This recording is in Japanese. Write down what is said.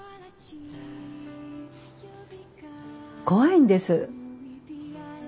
怖いんです。